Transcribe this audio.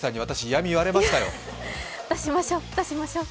嫌み言われましたよ。